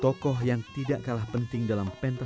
tokoh yang tidak kalah penting dalam perjalanan warok